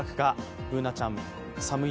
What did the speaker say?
Ｂｏｏｎａちゃん、寒い？